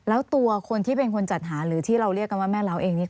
แล้วตัวคนที่เป็นคนจัดหาหรือที่เราเรียกกันว่าแม่เล้าเองนี่